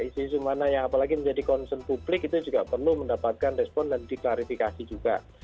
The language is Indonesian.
isu isu mana yang apalagi menjadi concern publik itu juga perlu mendapatkan respon dan diklarifikasi juga